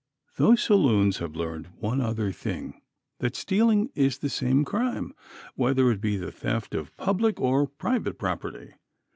Those saloons have learned one other thing that stealing is the same crime, whether it be the theft of public or of private property.